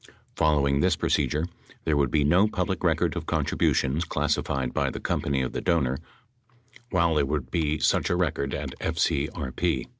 Following this procedure, there would be no public record of contributions clas sified by the company of the donor while there would be such a record at FCRP.